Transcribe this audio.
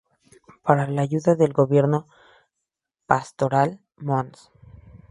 Para la ayuda del gobierno pastoral, Mons.